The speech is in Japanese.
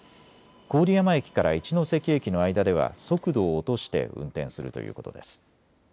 郡山駅から一ノ関駅の間では速度を落として運転するということです。